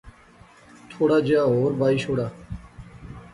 تھوڑا جیہا ہور بائی شوڑا